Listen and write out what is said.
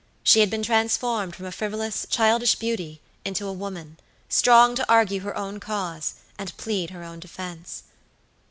She had been transformed from a frivolous, childish beauty into a woman, strong to argue her own cause and plead her own defense.